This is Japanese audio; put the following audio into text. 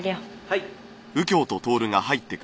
はい。